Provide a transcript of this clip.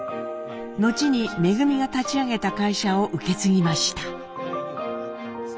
後に恩が立ち上げた会社を受け継ぎました。